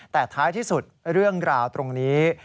แต่ท้ายที่สุดเรื่องราวตรงนี้